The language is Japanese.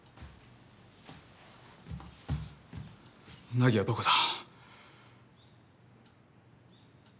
凪はどこだ？